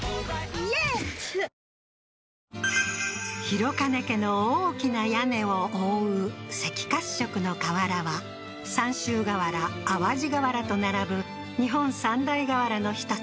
痛っ廣兼家の大きな屋根を覆う赤褐色の瓦は三州瓦・淡路瓦と並ぶ日本三大瓦の一つ